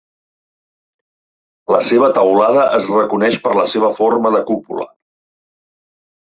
La seva teulada es reconeix per la seva forma de cúpula.